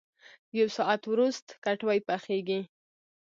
یو ساعت ورست کټوۍ پخېږي.